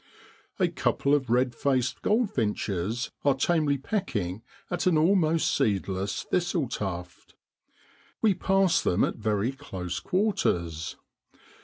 A couple of red faced goldfinches are tamely pecking at an almost seedless thistle tuft. We pass them at very close quarters.